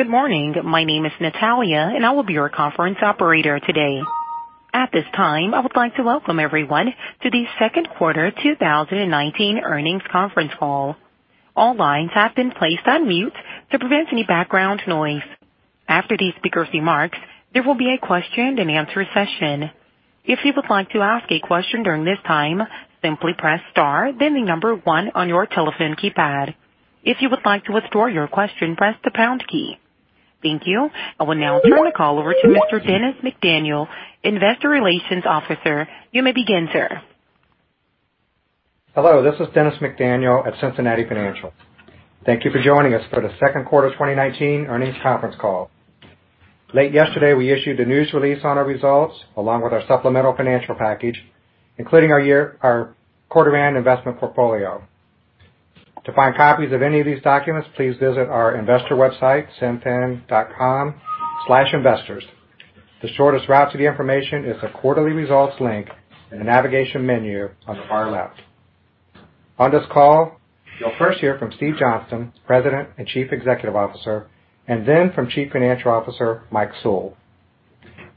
Good morning. My name is Natalia, and I will be your conference operator today. At this time, I would like to welcome everyone to the second quarter 2019 earnings conference call. All lines have been placed on mute to prevent any background noise. After the speaker's remarks, there will be a question and answer session. If you would like to ask a question during this time, simply press star then the number 1 on your telephone keypad. If you would like to withdraw your question, press the pound key. Thank you. I will now turn the call over to Mr. Dennis McDaniel, investor relations officer. You may begin, sir. Hello, this is Dennis McDaniel at Cincinnati Financial. Thank you for joining us for the second quarter 2019 earnings conference call. Late yesterday, we issued a news release on our results, along with our supplemental financial package, including our quarter end investment portfolio. To find copies of any of these documents, please visit our investor website, cinfin.com/investors. The shortest route to the information is the quarterly results link in the navigation menu on the far left. On this call, you'll first hear from Steve Johnston, President and Chief Executive Officer, and then from Chief Financial Officer, Mike Sewell.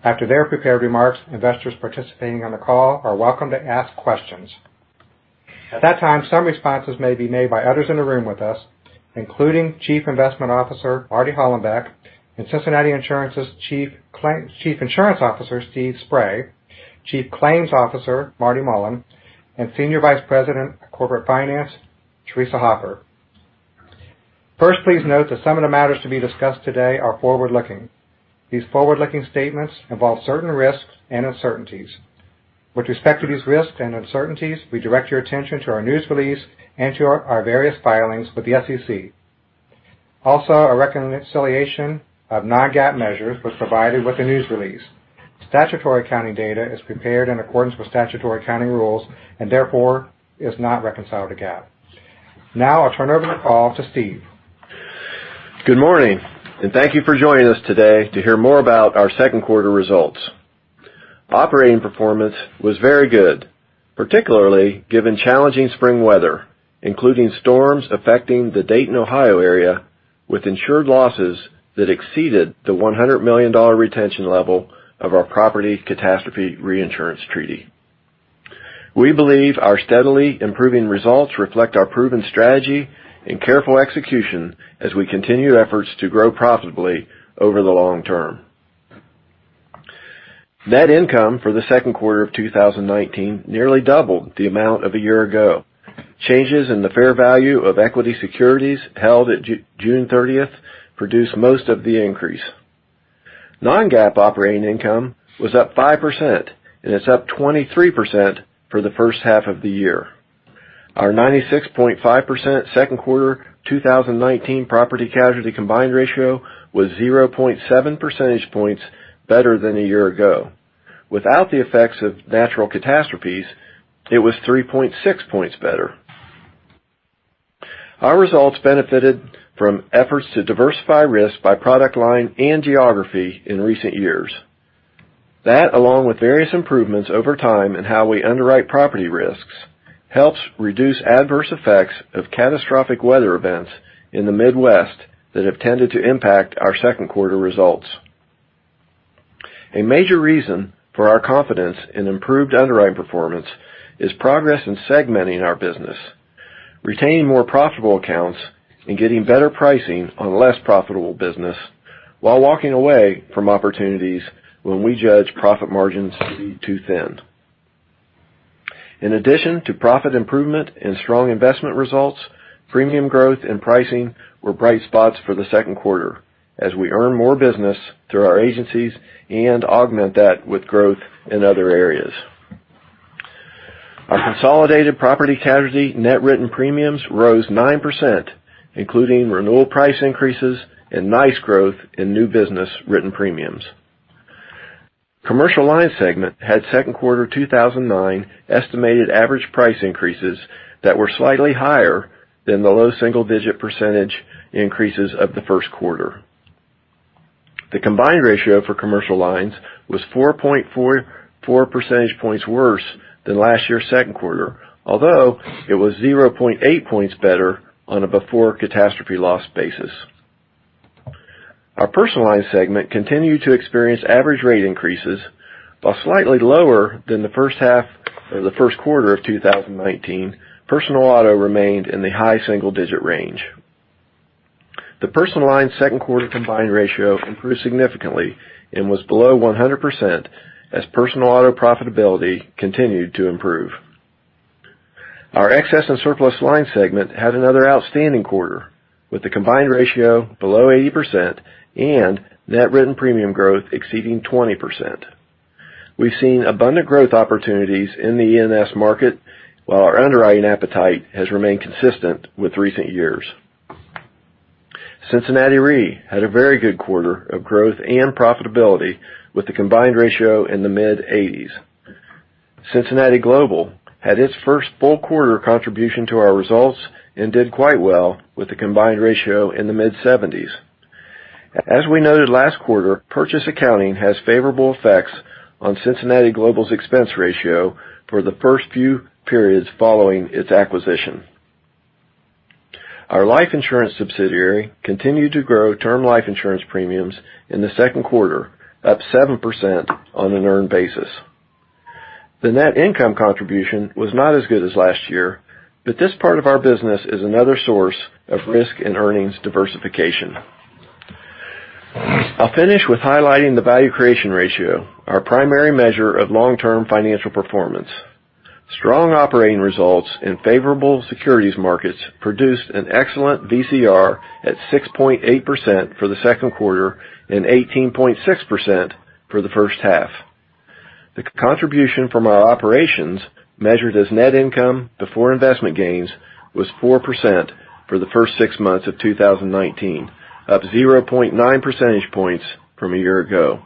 After their prepared remarks, investors participating on the call are welcome to ask questions. At that time, some responses may be made by others in the room with us, including Chief Investment Officer Marty Hollenbeck, and Cincinnati Insurance's Chief Insurance Officer, Steve Spray, Chief Claims Officer, Marty Mullen, and Senior Vice President of Corporate Finance, Theresa Hoffer. First, please note that some of the matters to be discussed today are forward-looking. These forward-looking statements involve certain risks and uncertainties. With respect to these risks and uncertainties, we direct your attention to our news release and to our various filings with the SEC. A reconciliation of non-GAAP measures was provided with the news release. Statutory accounting data is prepared in accordance with statutory accounting rules and therefore is not reconciled to GAAP. I'll turn over the call to Steve. Good morning, and thank you for joining us today to hear more about our second quarter results. Operating performance was very good, particularly given challenging spring weather, including storms affecting the Dayton, Ohio area with insured losses that exceeded the $100 million retention level of our property catastrophe reinsurance treaty. We believe our steadily improving results reflect our proven strategy and careful execution as we continue efforts to grow profitably over the long term. Net income for the second quarter of 2019 nearly doubled the amount of a year ago. Changes in the fair value of equity securities held at June 30th produced most of the increase. Non-GAAP operating income was up 5%, and it's up 23% for the first half of the year. Our 96.5% second quarter 2019 property casualty combined ratio was 0.7 percentage points better than a year ago. Without the effects of natural catastrophes, it was 3.6 points better. Our results benefited from efforts to diversify risk by product line and geography in recent years. That, along with various improvements over time in how we underwrite property risks, helps reduce adverse effects of catastrophic weather events in the Midwest that have tended to impact our second quarter results. A major reason for our confidence in improved underwriting performance is progress in segmenting our business, retaining more profitable accounts, and getting better pricing on less profitable business while walking away from opportunities when we judge profit margins to be too thin. In addition to profit improvement and strong investment results, premium growth and pricing were bright spots for the second quarter as we earn more business through our agencies and augment that with growth in other areas. Our consolidated property casualty net written premiums rose 9%, including renewal price increases and nice growth in new business written premiums. Commercial lines segment had second quarter 2019 estimated average price increases that were slightly higher than the low single-digit percentage increases of the first quarter. The combined ratio for commercial lines was 4.44 percentage points worse than last year's second quarter, although it was 0.8 points better on a before-catastrophe loss basis. Our personal line segment continued to experience average rate increases, while slightly lower than the first quarter of 2019, personal auto remained in the high single-digit range. The personal line second quarter combined ratio improved significantly and was below 100% as personal auto profitability continued to improve. Our excess and surplus line segment had another outstanding quarter, with the combined ratio below 80% and net written premium growth exceeding 20%. We've seen abundant growth opportunities in the E&S market, while our underwriting appetite has remained consistent with recent years. Cincinnati Re had a very good quarter of growth and profitability with a combined ratio in the mid-80s. Cincinnati Global had its first full quarter contribution to our results and did quite well with a combined ratio in the mid-70s. As we noted last quarter, purchase accounting has favorable effects on Cincinnati Global's expense ratio for the first few periods following its acquisition. Our life insurance subsidiary continued to grow term life insurance premiums in the second quarter, up 7% on an earned basis. The net income contribution was not as good as last year, but this part of our business is another source of risk and earnings diversification. I'll finish with highlighting the value creation ratio, our primary measure of long-term financial performance. Strong operating results and favorable securities markets produced an excellent VCR at 6.8% for the second quarter and 18.6% for the first half. The contribution from our operations, measured as net income before investment gains, was 4% for the first six months of 2019, up 0.9 percentage points from a year ago.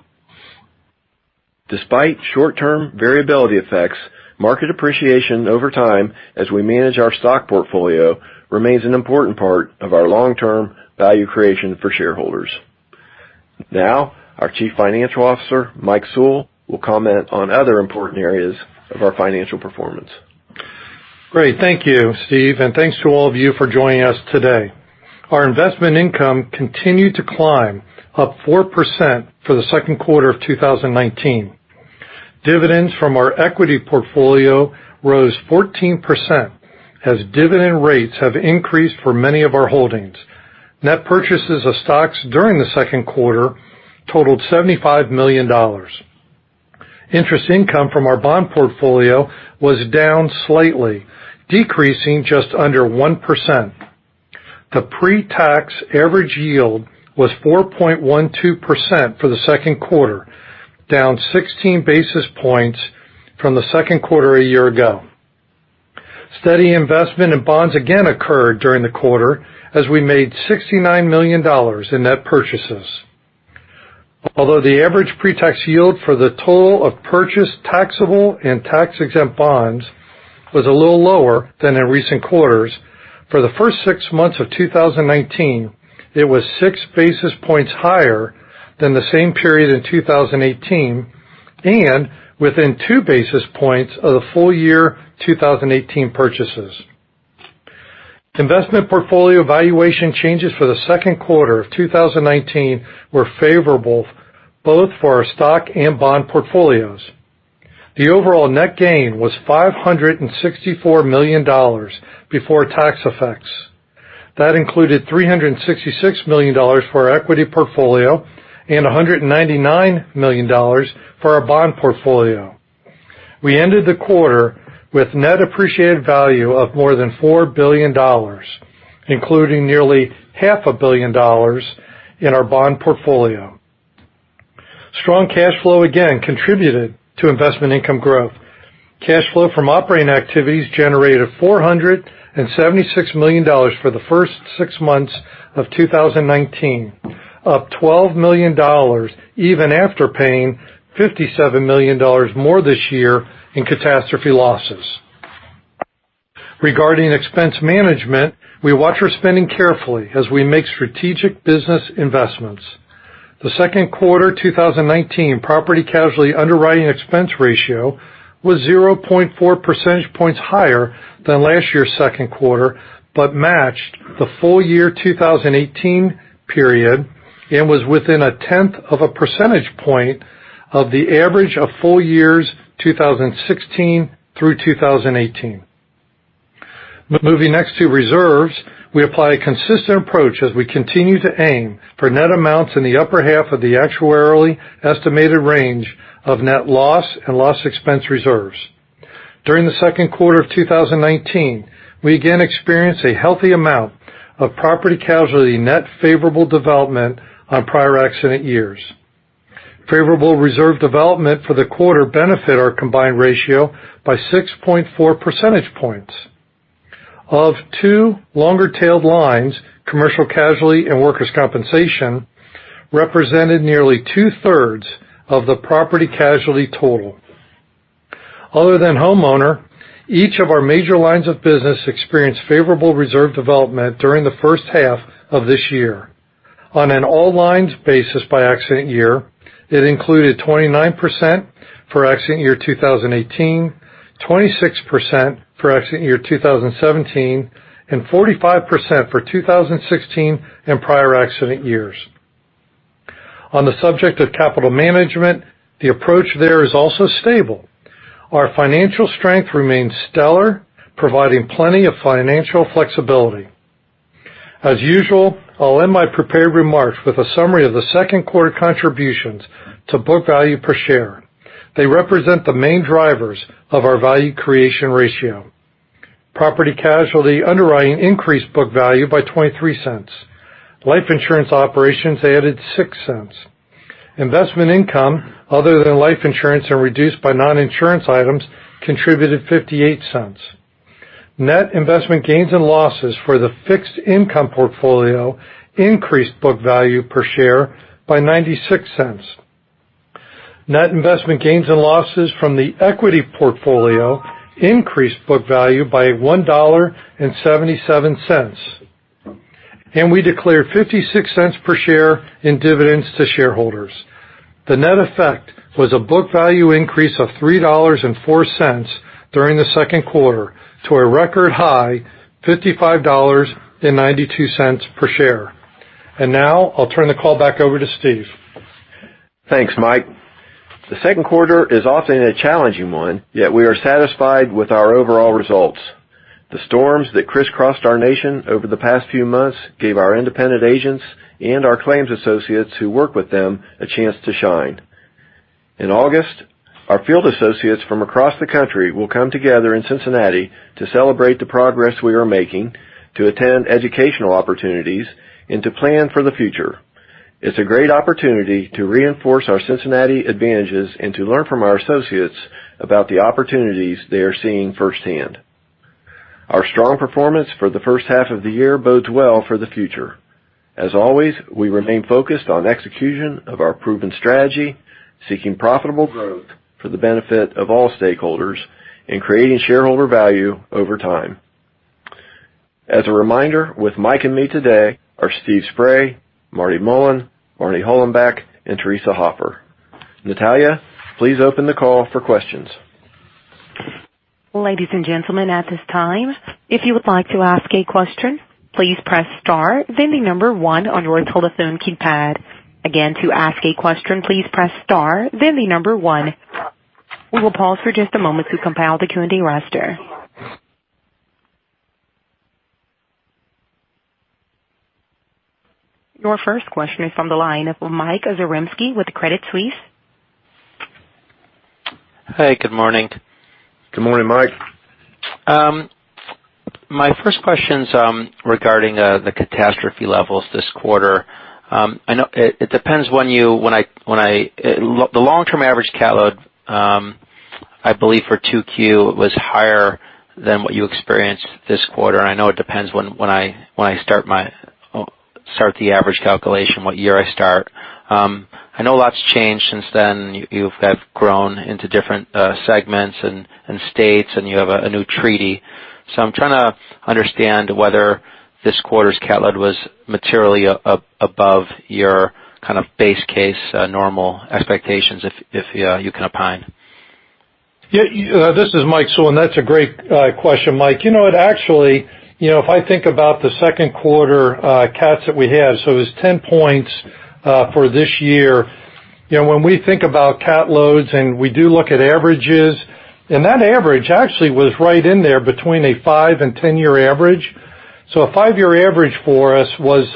Despite short-term variability effects, market appreciation over time as we manage our stock portfolio remains an important part of our long-term value creation for shareholders. Our Chief Financial Officer, Mike Sewell, will comment on other important areas of our financial performance. Great. Thank you, Steve, and thanks to all of you for joining us today. Our investment income continued to climb, up 4% for the second quarter of 2019. Dividends from our equity portfolio rose 14% as dividend rates have increased for many of our holdings. Net purchases of stocks during the second quarter totaled $75 million. Interest income from our bond portfolio was down slightly, decreasing just under 1%. The pre-tax average yield was 4.12% for the second quarter, down 16 basis points from the second quarter a year ago. Steady investment in bonds again occurred during the quarter, as we made $69 million in net purchases. Although the average pre-tax yield for the total of purchased taxable and tax-exempt bonds was a little lower than in recent quarters, for the first six months of 2019, it was six basis points higher than the same period in 2018 and within two basis points of the full year 2018 purchases. Investment portfolio valuation changes for the second quarter of 2019 were favorable both for our stock and bond portfolios. The overall net gain was $564 million before tax effects. That included $366 million for our equity portfolio and $199 million for our bond portfolio. We ended the quarter with net appreciated value of more than $4 billion, including nearly half a billion dollars in our bond portfolio. Strong cash flow again contributed to investment income growth. Cash flow from operating activities generated $476 million for the first six months of 2019, up $12 million even after paying $57 million more this year in catastrophe losses. Regarding expense management, we watch our spending carefully as we make strategic business investments. The second quarter 2019 property-casualty underwriting expense ratio was 0.4 percentage points higher than last year's second quarter, but matched the full year 2018 period and was within a tenth of a percentage point of the average of full years 2016 through 2018. Moving next to reserves, we apply a consistent approach as we continue to aim for net amounts in the upper half of the actuarially estimated range of net loss and loss expense reserves. During the second quarter of 2019, we again experienced a healthy amount of property-casualty net favorable development on prior accident years. Favorable reserve development for the quarter benefit our combined ratio by 6.4 percentage points. Of two longer-tailed lines, commercial casualty and workers' compensation represented nearly two-thirds of the property-casualty total. Other than homeowner, each of our major lines of business experienced favorable reserve development during the first half of this year. On an all lines basis by accident year, it included 29% for accident year 2018, 26% for accident year 2017, and 45% for 2016 and prior accident years. On the subject of capital management, the approach there is also stable. Our financial strength remains stellar, providing plenty of financial flexibility. As usual, I'll end my prepared remarks with a summary of the second quarter contributions to book value per share. They represent the main drivers of our value creation ratio. Property-casualty underwriting increased book value by $0.23. Life insurance operations added $0.06. Investment income other than life insurance and reduced by non-insurance items contributed $0.58. Net investment gains and losses for the fixed income portfolio increased book value per share by $0.96. Net investment gains and losses from the equity portfolio increased book value by $1.77. We declared $0.56 per share in dividends to shareholders. The net effect was a book value increase of $3.04 during the second quarter to a record high $55.92 per share. Now I'll turn the call back over to Steve. Thanks, Mike. The second quarter is often a challenging one, yet we are satisfied with our overall results. The storms that crisscrossed our nation over the past few months gave our independent agents and our claims associates who work with them a chance to shine. In August, our field associates from across the country will come together in Cincinnati to celebrate the progress we are making, to attend educational opportunities, and to plan for the future. It's a great opportunity to reinforce our Cincinnati advantages and to learn from our associates about the opportunities they are seeing firsthand. Our strong performance for the first half of the year bodes well for the future. As always, we remain focused on execution of our proven strategy, seeking profitable growth for the benefit of all stakeholders in creating shareholder value over time. As a reminder, with Mike and me today are Steve Spray, Marty Mullen, Marty Hollenbeck and Theresa Hoffer. Natalia, please open the call for questions. Ladies and gentlemen, at this time, if you would like to ask a question, please press star then the number 1 on your telephone keypad. Again, to ask a question, please press star then the number 1. We will pause for just a moment to compile the Q&A roster. Your first question is from the line of Mike Zaremski with Credit Suisse. Hey, good morning. Good morning, Mike. My first question's regarding the catastrophe levels this quarter. It depends, the long-term average cat load, I believe for 2Q was higher than what you experienced this quarter, I know it depends when I start the average calculation, what year I start. I know a lot's changed since then. You have grown into different segments and states, you have a new treaty. I'm trying to understand whether this quarter's cat load was materially above your kind of base case, normal expectations, if you can opine. Yeah. This is Mike Sewell, that's a great question, Mike. It actually, if I think about the second quarter cats that we had, it was 10 points for this year. When we think about cat loads, we do look at averages, that average actually was right in there between a five-year and 10-year average. A five-year average for us was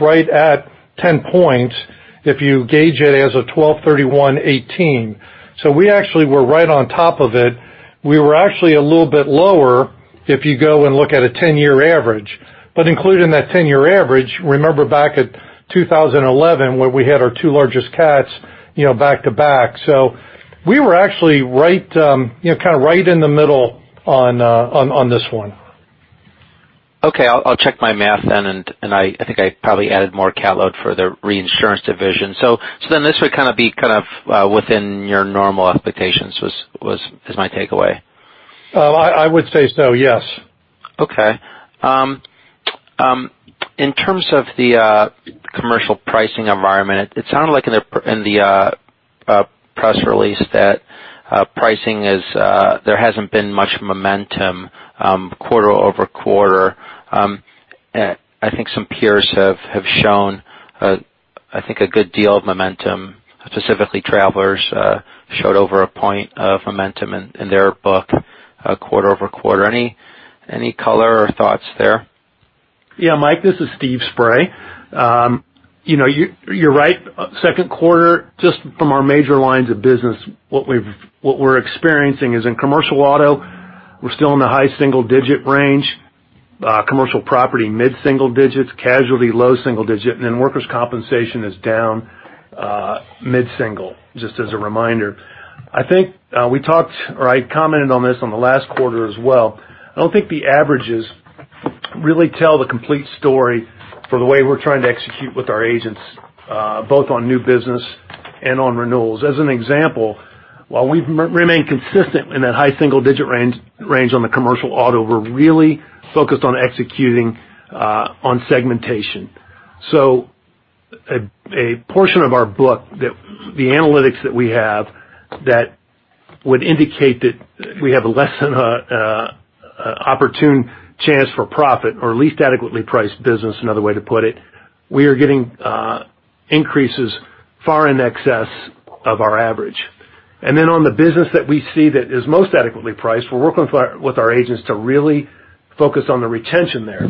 right at 10 points if you gauge it as a 12/31/2018. We actually were right on top of it. We were actually a little bit lower if you go and look at a 10-year average. Including that 10-year average, remember back at 2011, where we had our two largest cats back to back. We actually kind of right in the middle on this one. Okay. I'll check my math then. I think I probably added more cat load for the reinsurance division. This would kind of be within your normal expectations is my takeaway. I would say so, yes. Okay. In terms of the commercial pricing environment, it sounded like in the press release that pricing is, there hasn't been much momentum quarter-over-quarter. I think some peers have shown, I think a good deal of momentum. Specifically Travelers showed over a point of momentum in their book quarter-over-quarter. Any color or thoughts there? Yeah, Mike, this is Steve Spray. You're right. Second quarter, just from our major lines of business, what we're experiencing is in commercial auto, we're still in the high single digit range. Commercial property, mid single digits, casualty low single digit, workers' compensation is down mid single, just as a reminder. I think we talked, or I commented on this on the last quarter as well. I don't think the averages really tell the complete story for the way we're trying to execute with our agents, both on new business and on renewals. As an example, while we remain consistent in that high single digit range on the commercial auto, we're really focused on executing on segmentation. A portion of our book that the analytics that we have that would indicate that we have a less than opportune chance for profit or at least adequately priced business, another way to put it, we are getting increases far in excess of our average. On the business that we see that is most adequately priced, we're working with our agents to really focus on the retention there.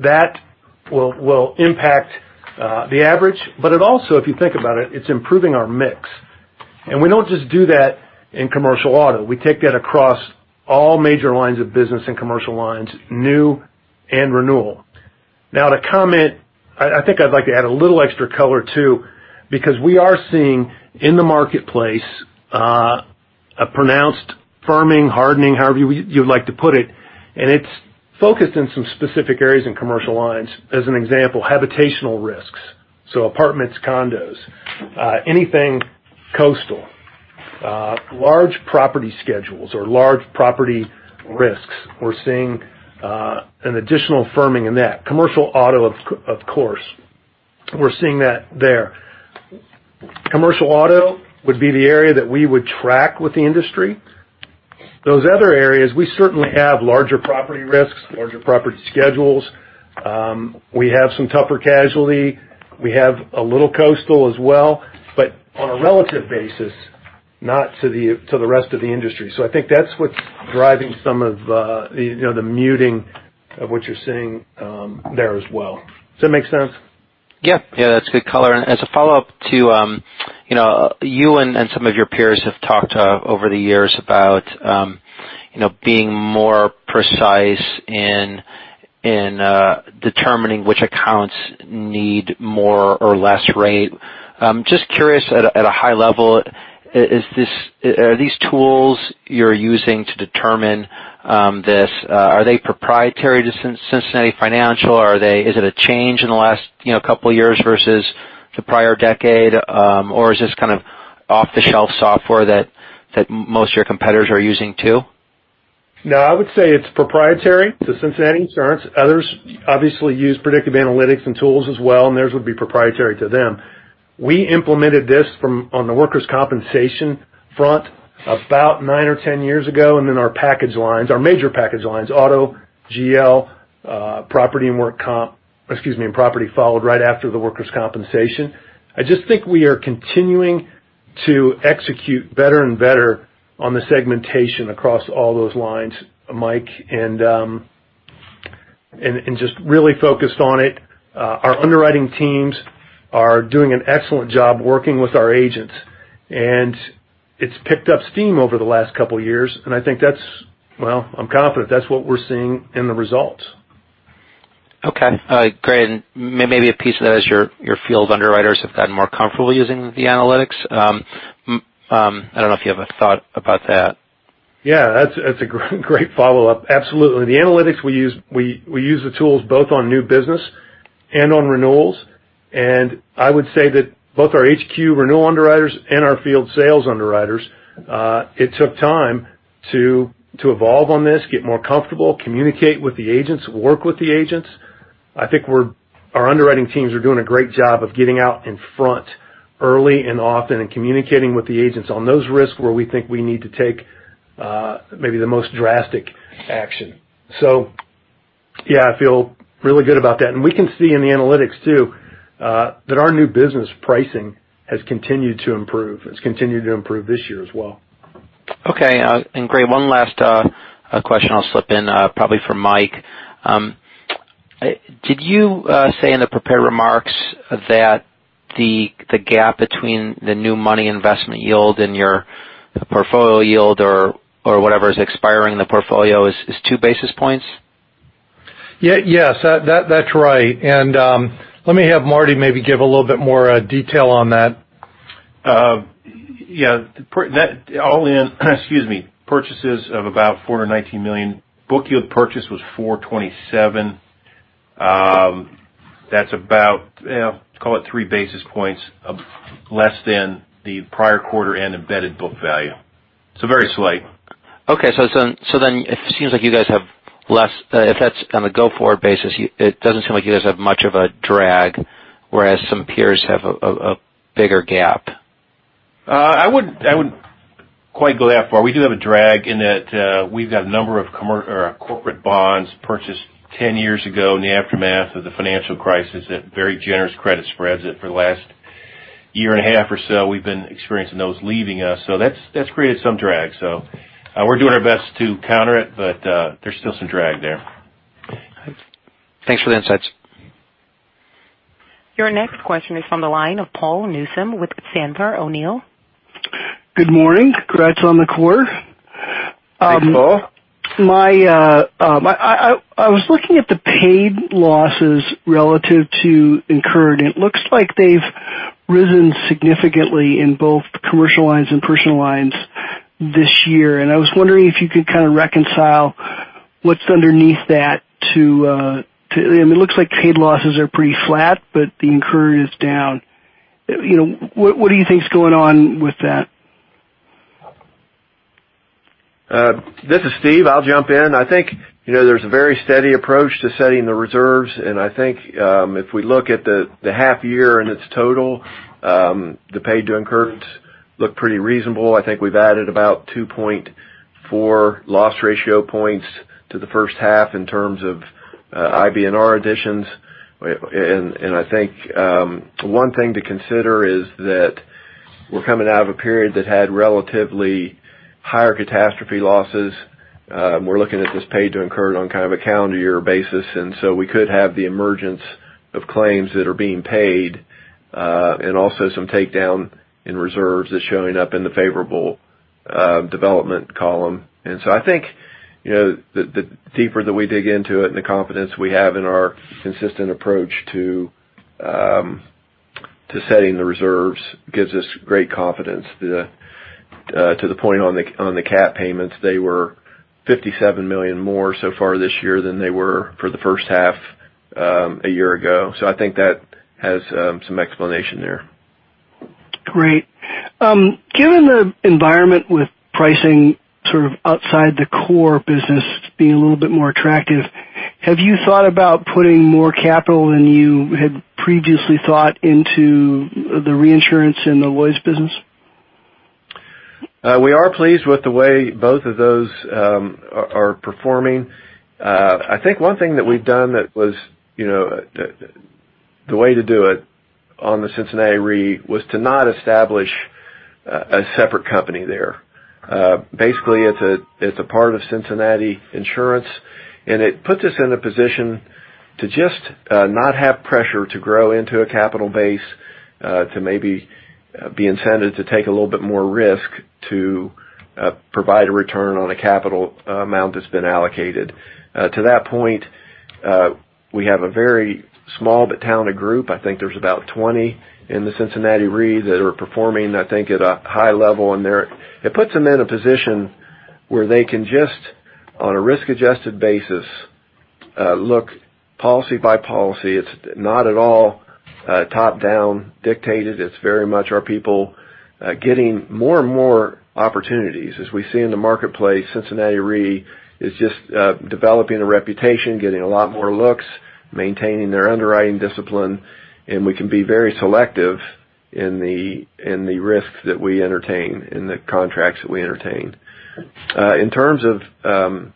That will impact the average. It also, if you think about it's improving our mix. We don't just do that in commercial auto. We take that across all major lines of business and commercial lines, new and renewal. To comment, I think I'd like to add a little extra color too, because we are seeing in the marketplace a pronounced firming, hardening, however you'd like to put it, and it's focused in some specific areas in commercial lines. As an example, habitational risks, so apartments, condos, anything coastal. Large property schedules or large property risks, we're seeing an additional firming in that. Commercial auto, of course, we're seeing that there. Commercial auto would be the area that we would track with the industry. Those other areas, we certainly have larger property risks, larger property schedules. We have some tougher casualty. We have a little coastal as well, but on a relative basis, not to the rest of the industry. I think that's what's driving some of the muting of what you're seeing there as well. Does that make sense? Yeah. That's a good color. As a follow-up to you and some of your peers have talked over the years about being more precise in determining which accounts need more or less rate. Just curious, at a high level, are these tools you're using to determine this, are they proprietary to Cincinnati Financial or is it a change in the last couple of years versus the prior decade? Or is this kind of off-the-shelf software that most of your competitors are using too? No, I would say it's proprietary to Cincinnati Insurance. Others obviously use predictive analytics and tools as well, theirs would be proprietary to them. We implemented this on the workers' compensation front about nine or 10 years ago, then our package lines, our major package lines, auto, GL, property, and work comp, excuse me, and property followed right after the workers' compensation. I just think we are continuing to execute better and better on the segmentation across all those lines, Mike, just really focused on it. Our underwriting teams are doing an excellent job working with our agents, it's picked up steam over the last couple of years, I think that's, well, I'm confident that's what we're seeing in the results. Okay. Great. Maybe a piece of that is your field underwriters have gotten more comfortable using the analytics. I don't know if you have a thought about that. Yeah, that's a great follow-up. Absolutely. The analytics we use, we use the tools both on new business and on renewals, I would say that both our HQ renewal underwriters and our field sales underwriters, it took time to evolve on this, get more comfortable, communicate with the agents, work with the agents. I think our underwriting teams are doing a great job of getting out in front early and often and communicating with the agents on those risks where we think we need to take maybe the most drastic action. Yeah, I feel really good about that. We can see in the analytics too, that our new business pricing has continued to improve. It's continued to improve this year as well. Okay. Great. One last question I'll slip in, probably for Mike. Did you say in the prepared remarks that the gap between the new money investment yield and your portfolio yield or whatever is expiring in the portfolio is two basis points? Yes, that's right. Let me have Marty maybe give a little bit more detail on that. Yeah. All in, excuse me, purchases of about $419 million. Book yield purchase was $427. That's about, call it three basis points of less than the prior quarter and embedded book value. Very slight. Okay. Then it seems like you guys have less, if that's on a go-forward basis, it doesn't seem like you guys have much of a drag, whereas some peers have a bigger gap. I wouldn't quite go that far. We do have a drag in that we've got a number of corporate bonds purchased 10 years ago in the aftermath of the financial crisis at very generous credit spreads that for the last year and a half or so, we've been experiencing those leaving us. That's created some drag. We're doing our best to counter it, but there's still some drag there. Thanks for the insights. Your next question is from the line of Paul Newsome with Sandler O'Neill. Good morning. Congrats on the quarter. Thanks, Paul. I was looking at the paid losses relative to incurred. It looks like they've risen significantly in both commercial lines and personal lines this year. I was wondering if you could kind of reconcile what's underneath that. I mean, it looks like paid losses are pretty flat, but the incurred is down. What do you think is going on with that? This is Steve. I'll jump in. I think there's a very steady approach to setting the reserves. I think if we look at the half year and its total, the paid to incurred look pretty reasonable. I think we've added about 2.4 loss ratio points to the first half in terms of IBNR additions. I think one thing to consider is that we're coming out of a period that had relatively higher catastrophe losses. We're looking at this paid to incurred on kind of a calendar year basis, so we could have the emergence of claims that are being paid, and also some take down in reserves that's showing up in the favorable development column. I think the deeper that we dig into it and the confidence we have in our consistent approach to setting the reserves gives us great confidence. To the point on the cat payments, they were $57 million more so far this year than they were for the first half a year ago. I think that has some explanation there. Great. Given the environment with pricing sort of outside the core business being a little bit more attractive, have you thought about putting more capital than you had previously thought into the reinsurance in the Lloyd's business? We are pleased with the way both of those are performing. I think one thing that we've done, the way to do it on the Cincinnati Re, was to not establish a separate company there. Basically, it's a part of Cincinnati Insurance, and it puts us in a position to just not have pressure to grow into a capital base, to maybe be incented to take a little bit more risk to provide a return on a capital amount that's been allocated. To that point, we have a very small but talented group. I think there's about 20 in the Cincinnati Re that are performing, I think at a high level. It puts them in a position where they can just, on a risk-adjusted basis, look policy by policy. It's not at all top-down dictated. It's very much our people getting more and more opportunities. As we see in the marketplace, Cincinnati Re is just developing a reputation, getting a lot more looks, maintaining their underwriting discipline, and we can be very selective in the risk that we entertain, in the contracts that we entertain. In terms of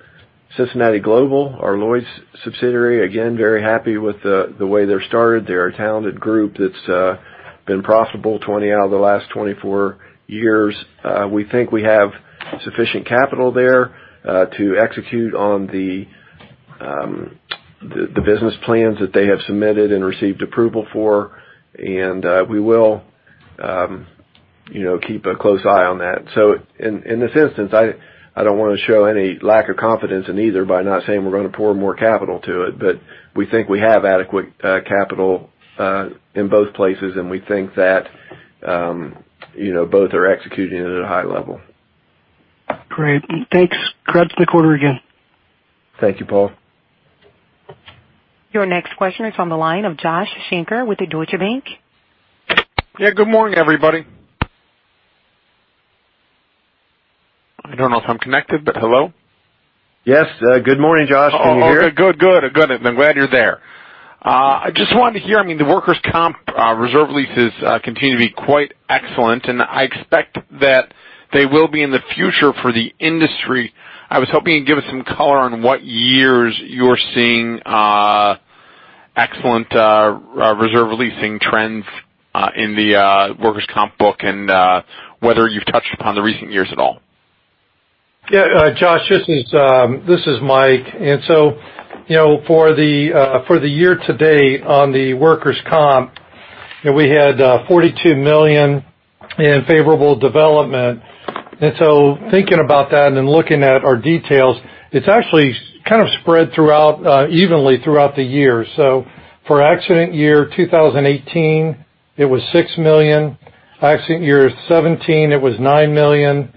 Cincinnati Global, our Lloyd's subsidiary, again, very happy with the way they started. They're a talented group that's been profitable 20 out of the last 24 years. We think we have sufficient capital there to execute on the business plans that they have submitted and received approval for. We will keep a close eye on that. In this instance, I don't want to show any lack of confidence in either by not saying we're going to pour more capital to it, but we think we have adequate capital in both places, and we think that both are executing it at a high level. Great. Thanks. Congrats on the quarter again. Thank you, Paul. Your next question is on the line of Joshua Shanker with Deutsche Bank. Yeah, good morning, everybody. I don't know if I'm connected, but hello? Yes. Good morning, Josh. Can you hear? Oh, okay, good. I'm glad you're there. I just wanted to hear, I mean, the workers' comp reserve releases continue to be quite excellent, and I expect that they will be in the future for the industry. I was hoping you'd give us some color on what years you're seeing excellent reserve releasing trends in the workers' comp book and whether you've touched upon the recent years at all. Josh, this is Mike. For the year to date on the workers' comp, we had $42 million in favorable development. Thinking about that and then looking at our details, it's actually kind of spread evenly throughout the year. For accident year 2018, it was $6 million. Accident year 2017, it was $9 million.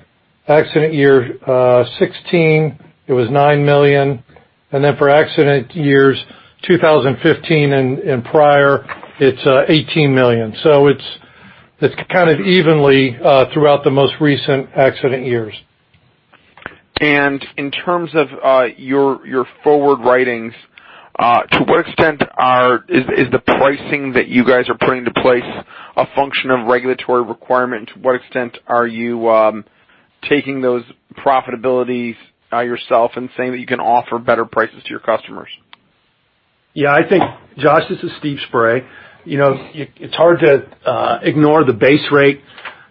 Accident year 2016, it was $9 million. For accident years 2015 and prior, it's $18 million. It's kind of evenly throughout the most recent accident years. In terms of your forward writings, to what extent is the pricing that you guys are putting into place a function of regulatory requirement? To what extent are you taking those profitabilities yourself and saying that you can offer better prices to your customers? Yeah, I think, Josh, this is Steve Spray. It's hard to ignore the base rate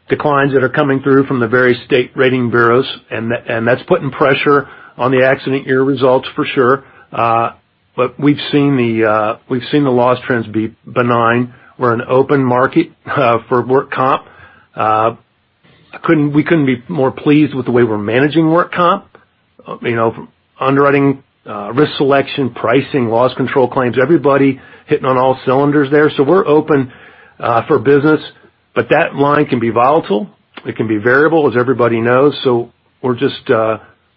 declines that are coming through from the various state rating bureaus, that's putting pressure on the accident year results for sure. We've seen the loss trends be benign. We're an open market for work comp. We couldn't be more pleased with the way we're managing work comp. From underwriting, risk selection, pricing, loss control claims, everybody hitting on all cylinders there. We're open for business. That line can be volatile. It can be variable, as everybody knows. We're just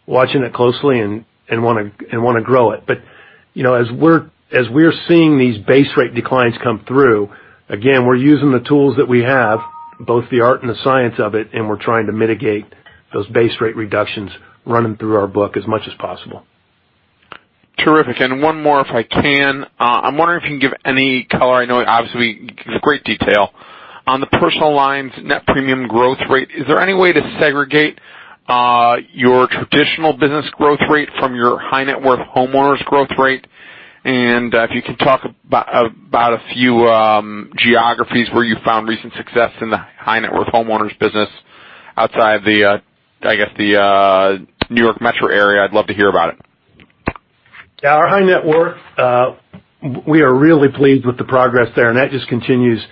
watching it closely and want to grow it. As we're seeing these base rate declines come through, again, we're using the tools that we have, both the art and the science of it, we're trying to mitigate those base rate reductions running through our book as much as possible. Terrific. One more, if I can. I'm wondering if you can give any color, I know obviously it's a great detail. On the personal lines net premium growth rate, is there any way to segregate your traditional business growth rate from your high-net-worth homeowners growth rate? If you could talk about a few geographies where you found recent success in the high-net-worth homeowners business outside of the New York metro area, I'd love to hear about it. Yeah, our high net worth, we are really pleased with the progress there, and that just continues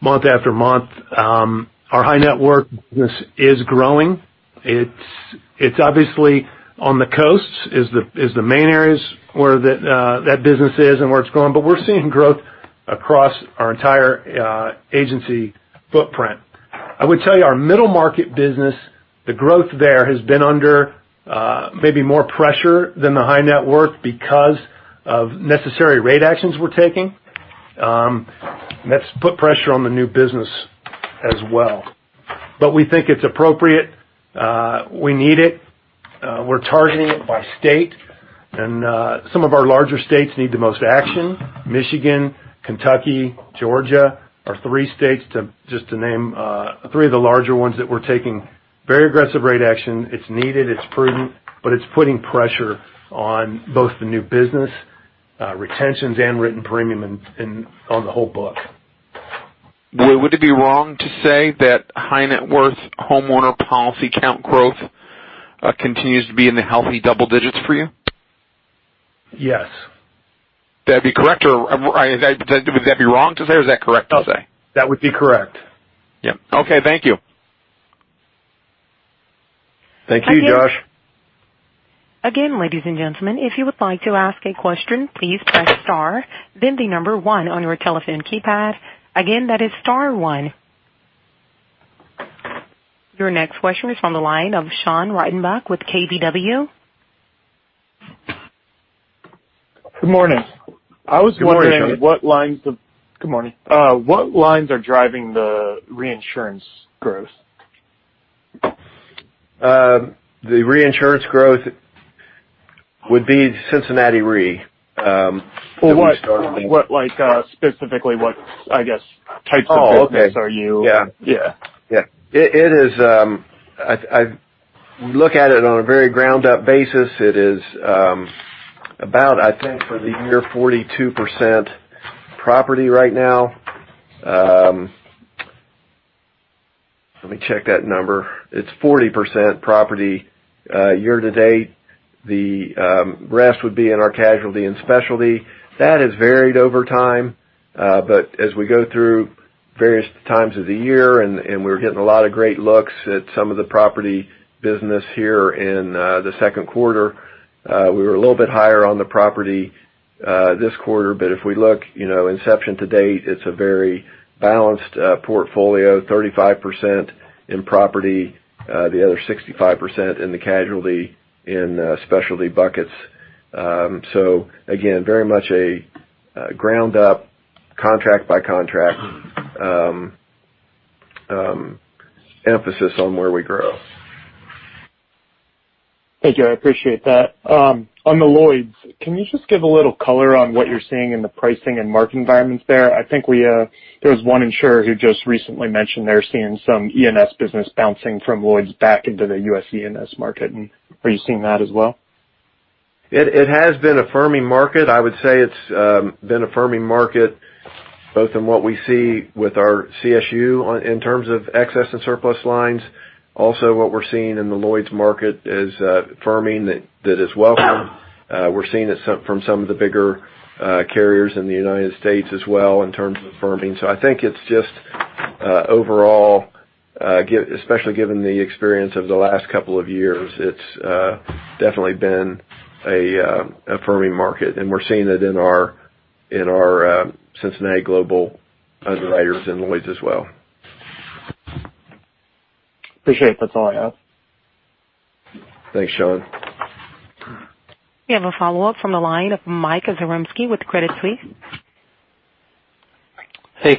month after month. Our high net worth business is growing. It's obviously on the coasts is the main areas where that business is and where it's growing. We're seeing growth across our entire agency footprint I would tell you our middle market business, the growth there has been under maybe more pressure than the high net worth because of necessary rate actions we're taking. That's put pressure on the new business as well. We think it's appropriate. We need it. We're targeting it by state, and some of our larger states need the most action. Michigan, Kentucky, Georgia are three states, just to name three of the larger ones that we're taking very aggressive rate action. It's needed, it's prudent, but it's putting pressure on both the new business retentions and written premium on the whole book. Would it be wrong to say that high net worth homeowner policy count growth continues to be in the healthy double digits for you? Yes. That'd be correct? Would that be wrong to say, or is that correct to say? That would be correct. Yep. Okay, thank you. Thank you, Josh. Again, ladies and gentlemen, if you would like to ask a question, please press star then the number 1 on your telephone keypad. Again, that is star one. Your next question is on the line of Sean Reitenbach with KBW. Good morning. Good morning. I was wondering what lines are driving the reinsurance growth? The reinsurance growth would be Cincinnati Re. Well, what specifically, I guess, types of business are you- Oh, okay. Yeah. Yeah. Yeah. I look at it on a very ground-up basis. It is about, I think, for the year, 42% property right now. Let me check that number. It's 40% property year to date. The rest would be in our casualty and specialty. That has varied over time. As we go through various times of the year, and we're getting a lot of great looks at some of the property business here in the second quarter. We were a little bit higher on the property this quarter, but if we look inception to date, it's a very balanced portfolio, 35% in property, the other 65% in the casualty in specialty buckets. Again, very much a ground-up contract by contract emphasis on where we grow. Thank you. I appreciate that. On the Lloyd's, can you just give a little color on what you're seeing in the pricing and market environments there? I think there's one insurer who just recently mentioned they're seeing some E&S business bouncing from Lloyd's back into the US E&S market. Are you seeing that as well? It has been a firming market. I would say it's been a firming market both in what we see with our CSU in terms of excess and surplus lines. Also what we're seeing in the Lloyd's market is firming that is welcome. We're seeing it from some of the bigger carriers in the United States as well in terms of firming. I think it's just overall, especially given the experience of the last couple of years, it's definitely been a firming market, and we're seeing it in our Cincinnati Global Underwriters and Lloyd's as well. Appreciate it. That's all I have. Thanks, Sean. We have a follow-up from the line of Mike Zaremski with Credit Suisse.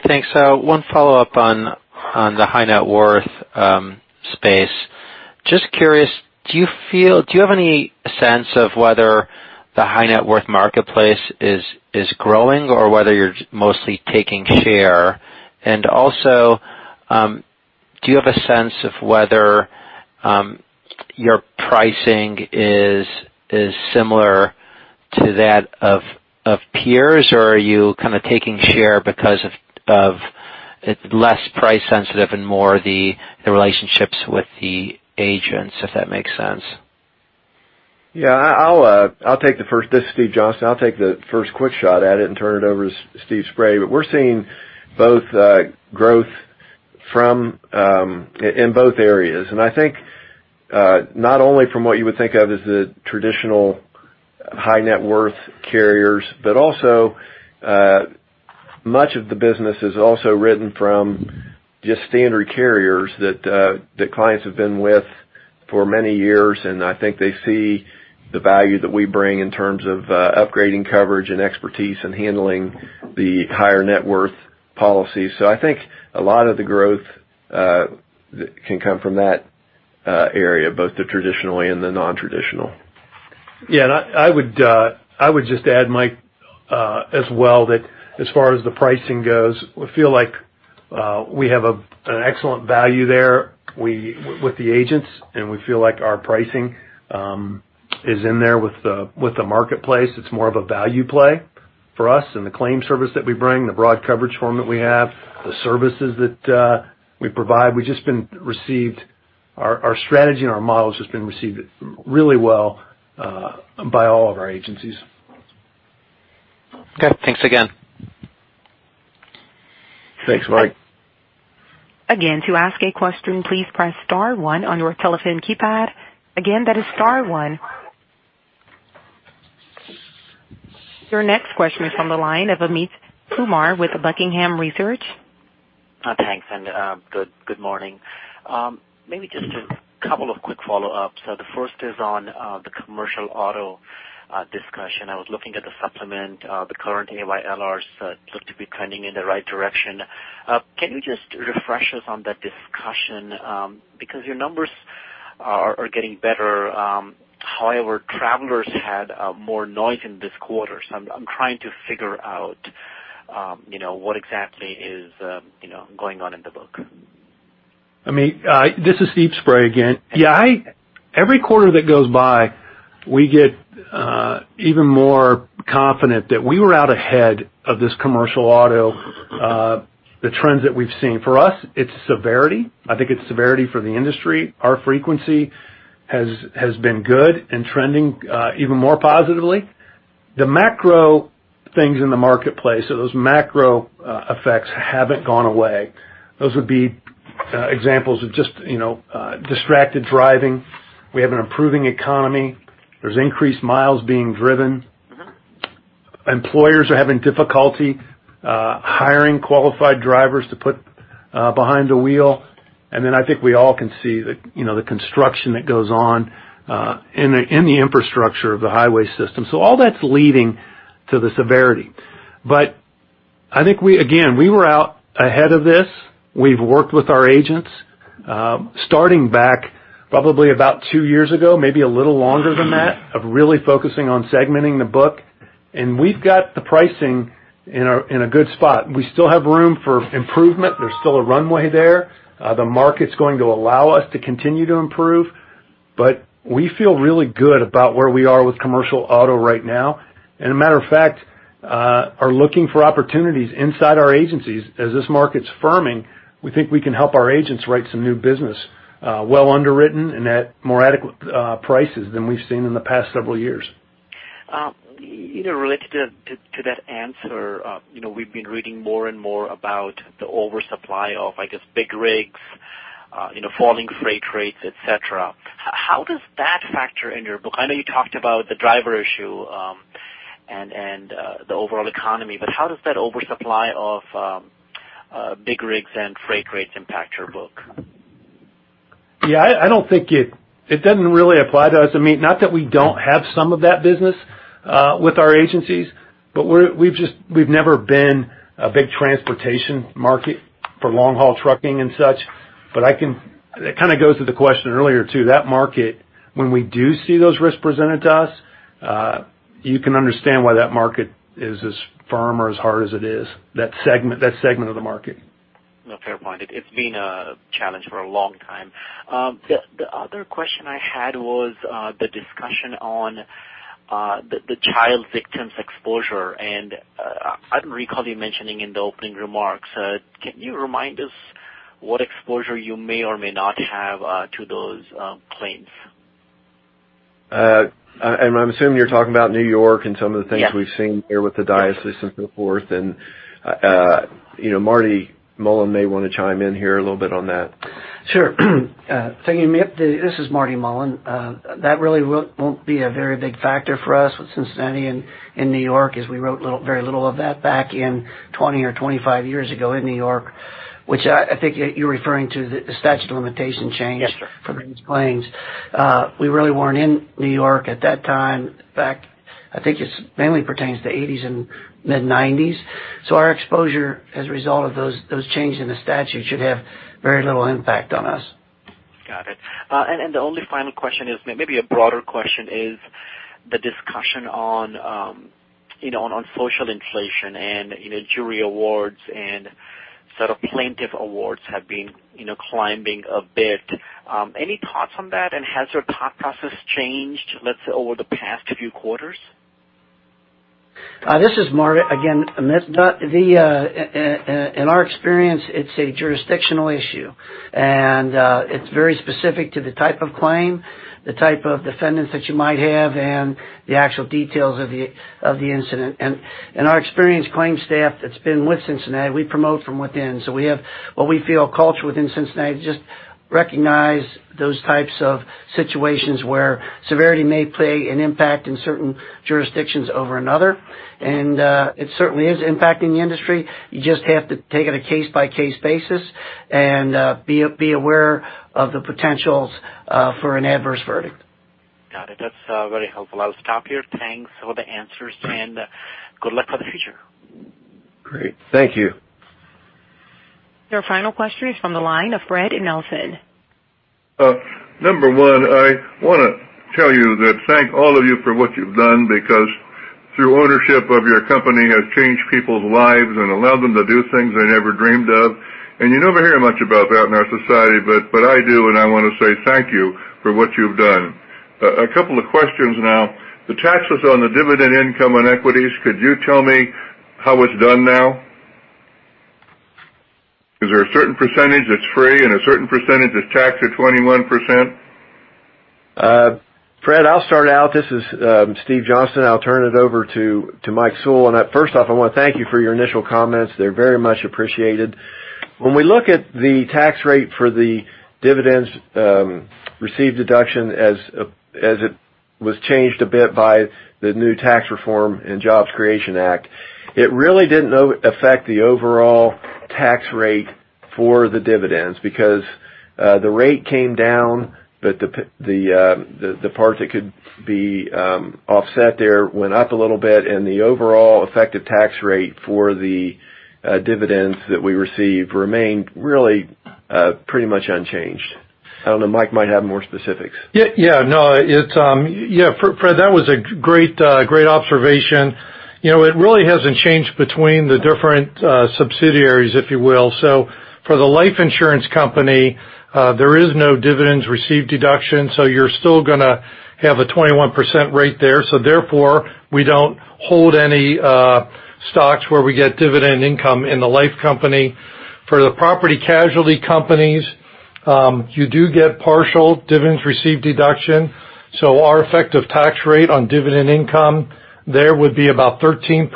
Thanks. One follow-up on the high net worth space. Just curious, do you have any sense of whether the high net worth marketplace is growing or whether you're mostly taking share? Also, do you have a sense of whether your pricing is similar to that of peers, or are you kind of taking share because of less price sensitive and more the relationships with the agents, if that makes sense? This is Steven Johnston. I'll take the first quick shot at it and turn it over to Stephen Spray. We're seeing both growth in both areas, and I think not only from what you would think of as the traditional high net worth carriers, but also much of the business is also written from just standard carriers that clients have been with for many years, and I think they see the value that we bring in terms of upgrading coverage and expertise in handling the higher net worth policy. I think a lot of the growth can come from that area, both the traditional and the non-traditional. I would just add, Mike, as well, that as far as the pricing goes, we feel like we have an excellent value there with the agents, and we feel like our pricing is in there with the marketplace. It's more of a value play for us, and the claim service that we bring, the broad coverage form that we have, the services that we provide. Our strategy and our model has just been received really well by all of our agencies. Thanks again. Thanks, Mike. Again, to ask a question, please press star one on your telephone keypad. Again, that is star one. Your next question is from the line of Amit Kumar with Buckingham Research. Thanks, and good morning. Maybe just a couple of quick follow-ups. The first is on the commercial auto discussion. I was looking at the supplement. The current AYLRs look to be trending in the right direction. Can you just refresh us on that discussion? Your numbers are getting better. However, Travelers had more noise in this quarter. I'm trying to figure out what exactly is going on in the book. Amit, this is Steve Spray again. Yeah. Every quarter that goes by, we get even more confident that we were out ahead of this commercial auto, the trends that we've seen. For us, it's severity. I think it's severity for the industry. Our frequency has been good and trending even more positively. The macro things in the marketplace or those macro effects haven't gone away. Those would be examples of just distracted driving. We have an improving economy. There's increased miles being driven. Employers are having difficulty hiring qualified drivers to put behind the wheel. I think we all can see the construction that goes on in the infrastructure of the highway system. All that's leading to the severity. I think, again, we were out ahead of this. We've worked with our agents, starting back probably about two years ago, maybe a little longer than that, of really focusing on segmenting the book. We've got the pricing in a good spot. We still have room for improvement. There's still a runway there. The market's going to allow us to continue to improve, but we feel really good about where we are with commercial auto right now. A matter of fact, are looking for opportunities inside our agencies. As this market's firming, we think we can help our agents write some new business well underwritten and at more adequate prices than we've seen in the past several years. Related to that answer, we've been reading more and more about the oversupply of, I guess, big rigs, falling freight rates, et cetera. How does that factor in your book? I know you talked about the driver issue and the overall economy, but how does that oversupply of big rigs and freight rates impact your book? It doesn't really apply to us, Amit. Not that we don't have some of that business with our agencies, but we've never been a big transportation market for long-haul trucking and such. It kind of goes to the question earlier, too. That market, when we do see those risks presented to us, you can understand why that market is as firm or as hard as it is, that segment of the market. No, fair point. It's been a challenge for a long time. The other question I had was the discussion on the child victims exposure, I don't recall you mentioning in the opening remarks. Can you remind us what exposure you may or may not have to those claims? I'm assuming you're talking about New York and some of the things we've seen- Yes there with the diocese and so forth. Marty Mullen may want to chime in here a little bit on that. Sure. Thank you, Amit. This is Marty Mullen. That really won't be a very big factor for us with Cincinnati and New York, as we wrote very little of that back in 20 or 25 years ago in New York, which I think you're referring to the statute of limitation change- Yes, sir for these claims. We really weren't in New York at that time. In fact, I think it mainly pertains to '80s and mid-'90s. Our exposure as a result of those changes in the statute should have very little impact on us. Got it. The only final question is maybe a broader question, is the discussion on social inflation and jury awards and sort of plaintiff awards have been climbing a bit. Any thoughts on that? Has your thought process changed, let's say, over the past few quarters? This is Marty again, Amit. In our experience, it's a jurisdictional issue, and it's very specific to the type of claim, the type of defendants that you might have, and the actual details of the incident. In our experienced claim staff that's been with Cincinnati, we promote from within. We have what we feel a culture within Cincinnati to just recognize those types of situations where severity may play an impact in certain jurisdictions over another, and it certainly is impacting the industry. You just have to take it a case-by-case basis and be aware of the potentials for an adverse verdict. Got it. That's very helpful. I'll stop here. Thanks for the answers, and good luck for the future. Great. Thank you. Your final question is from the line of Fred Nelson. Number one, I want to tell you that thank all of you for what you've done because through ownership of your company has changed people's lives and allowed them to do things they never dreamed of. You never hear much about that in our society, but I do, and I want to say thank you for what you've done. A couple of questions now. The taxes on the dividend income on equities, could you tell me how it's done now? Is there a certain percentage that's free and a certain percentage that's taxed at 21%? Fred, I'll start out. This is Steve Johnston. I'll turn it over to Mike Sewell. First off, I want to thank you for your initial comments. They're very much appreciated. When we look at the tax rate for the dividends received deduction as it was changed a bit by the new Tax Cuts and Jobs Act, it really didn't affect the overall tax rate for the dividends because the rate came down, but the part that could be offset there went up a little bit, and the overall effective tax rate for the dividends that we received remained really pretty much unchanged. I don't know. Mike might have more specifics. Fred, that was a great observation. It really hasn't changed between the different subsidiaries, if you will. For the life insurance company, there is no dividends received deduction, you're still going to have a 21% rate there. Therefore, we don't hold any stocks where we get dividend income in the life company. For the property casualty companies, you do get partial dividends received deduction, our effective tax rate on dividend income there would be about 13%.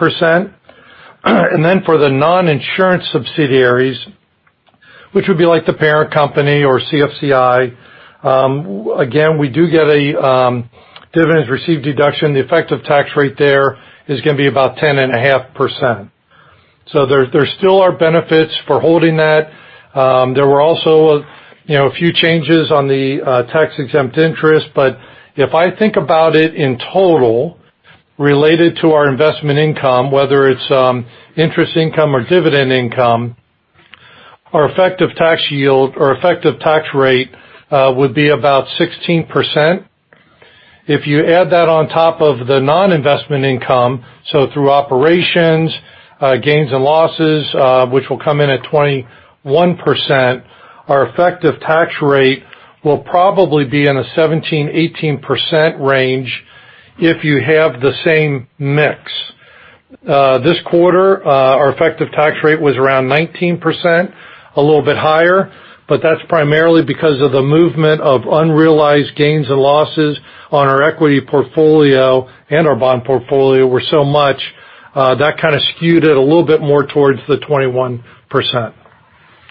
For the non-insurance subsidiaries, which would be like the parent company or CFCI, again, we do get a dividends received deduction. The effective tax rate there is going to be about 10.5%. There still are benefits for holding that. There were also a few changes on the tax-exempt interest, but if I think about it in total related to our investment income, whether it's interest income or dividend income, our effective tax yield or effective tax rate would be about 16%. If you add that on top of the non-investment income, through operations, gains, and losses, which will come in at 21%, our effective tax rate will probably be in a 17%-18% range if you have the same mix. This quarter, our effective tax rate was around 19%, a little bit higher, but that's primarily because of the movement of unrealized gains and losses on our equity portfolio and our bond portfolio were so much, that kind of skewed it a little bit more towards the 21%.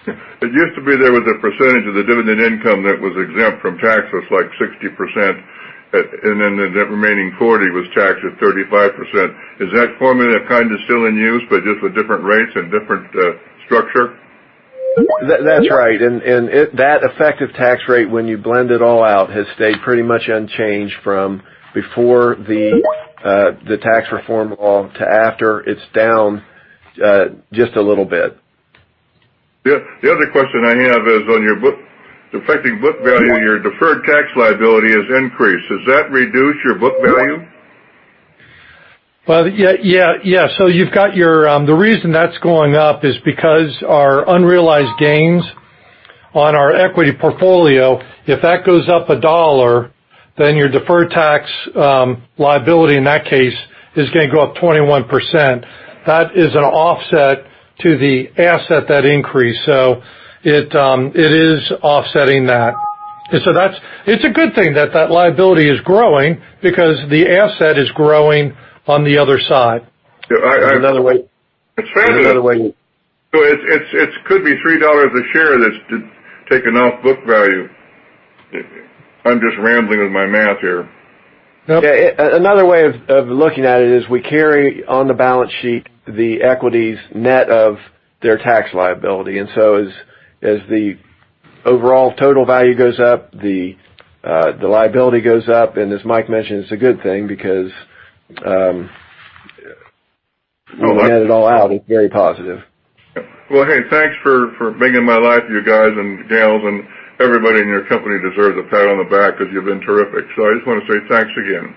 It used to be there was a percentage of the dividend income that was exempt from tax was like 60%, then the remaining 40% was taxed at 35%. Is that formula kind of still in use, but just with different rates and different structure? That's right. That effective tax rate, when you blend it all out, has stayed pretty much unchanged from before the tax reform law to after. It's down just a little bit. The other question I have is on your book. The effective book value and your deferred tax liability has increased. Does that reduce your book value? Well, yeah. The reason that's going up is because our unrealized gains on our equity portfolio. If that goes up $1, then your deferred tax liability in that case is going to go up 21%. That is an offset to the asset that increased. It is offsetting that. It's a good thing that that liability is growing because the asset is growing on the other side. It could be $3 a share that's taken off book value. I'm just rambling with my math here. Nope. Another way of looking at it is we carry on the balance sheet the equity's net of their tax liability. As the overall total value goes up, the liability goes up. As Mike mentioned, it's a good thing. Oh. When you add it all out, it's very positive. Hey, thanks for making my life you guys and gals, and everybody in your company deserves a pat on the back because you've been terrific. I just want to say thanks again.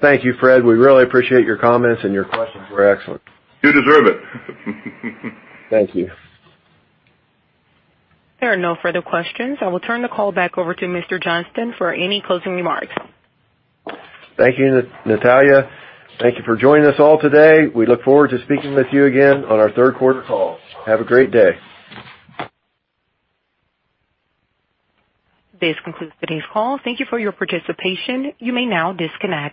Thank you, Fred. We really appreciate your comments and your questions were excellent. You deserve it. Thank you. There are no further questions. I will turn the call back over to Mr. Johnston for any closing remarks. Thank you, Natalia. Thank you for joining us all today. We look forward to speaking with you again on our third quarter call. Have a great day. This concludes today's call. Thank you for your participation. You may now disconnect.